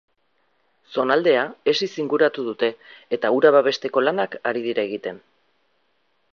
Zonaldea hesiz inguratu dute eta hura babesteko lanak ari dira egiten.